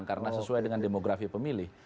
karena sesuai dengan demografi pemilih